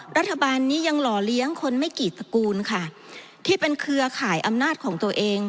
รัฐบาลนี้ยังหล่อเลี้ยงคนไม่กี่ตระกูลค่ะที่เป็นเครือข่ายอำนาจของตัวเอง